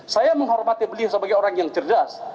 saya menghormati beliau sebagai orang yang cerdas